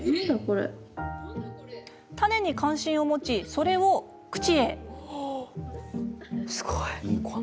種に関心を持ち、それを口へ。